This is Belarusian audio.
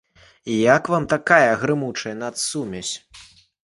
І як вам такая грымучая нацсумесь?